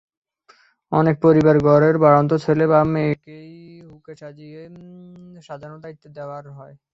অনেক পরিবারে ঘরের বাড়ন্ত ছেলে বা মেয়েকেই হুঁকা সাজানোর দায়িত্ব দেওয়া হয়।